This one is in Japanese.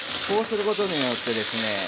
そうすることによってですね